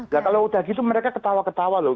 nah kalau udah gitu mereka ketawa ketawa loh